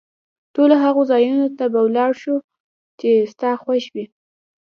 ټولو هغو ځایونو ته به ولاړ شو، چي ستا خوښ وي.